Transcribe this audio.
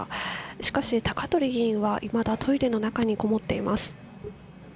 しかし、高鳥議員はいまだトイレの中にこもっています。